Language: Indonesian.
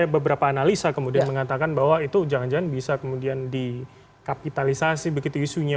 beberapa analisa kemudian mengatakan bahwa itu jangan jangan bisa kemudian dikapitalisasi begitu isunya